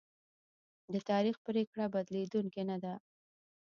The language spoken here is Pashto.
د تاریخ پرېکړه بدلېدونکې نه ده.